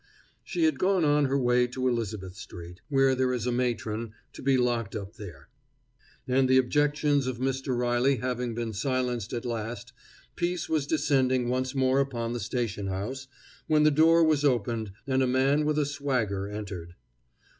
She had gone on her way to Elizabeth street, where there is a matron, to be locked up there; and the objections of Mr. Reilly having been silenced at last, peace was descending once more upon the station house, when the door was opened, and a man with a swagger entered.